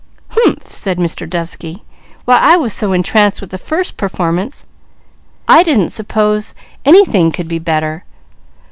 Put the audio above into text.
"Humph!" said Mr. Dovesky. "Why I was so entranced with the first performance I didn't suppose anything could be better.